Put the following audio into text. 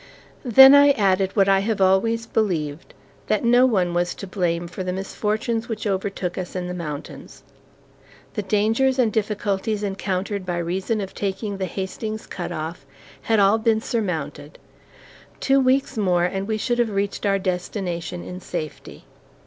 Then I added what I have always believed, that no one was to blame for the misfortunes which overtook us in the mountains. The dangers and difficulties encountered by reason of taking the Hastings Cut off had all been surmounted two weeks more and we should have reached our destination in safety.